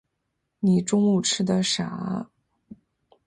你中午吃的啥啊？